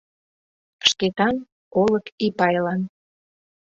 ШКЕТАН — ОЛЫК ИПАЙЛАН